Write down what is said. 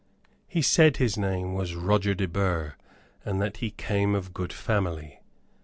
He said his name was Roger de Burgh, and that he came of good family.